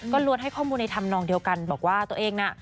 ล้วนให้ข้อมูลในธรรมนองเดียวกันบอกว่าตัวเองน่ะ